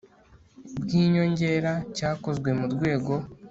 bw inyongera cyakozwe mu rwego